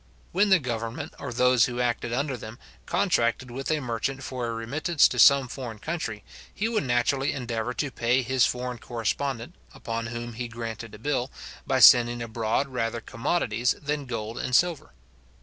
When the government, or those who acted under them, contracted with a merchant for a remittance to some foreign country, he would naturally endeavour to pay his foreign correspondent, upon whom he granted a bill, by sending abroad rather commodities than gold and silver.